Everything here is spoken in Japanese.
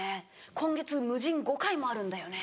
「今月ムジン５回もあるんだよね」